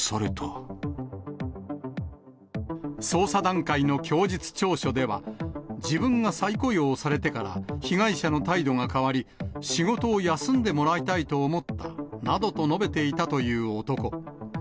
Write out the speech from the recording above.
捜査段階の供述調書では、自分が再雇用されてから被害者の態度が変わり、仕事を休んでもらいたいと思ったなどと述べていたという男。